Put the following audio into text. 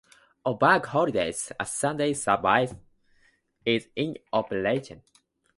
On bank holidays, a Sunday service is in operation.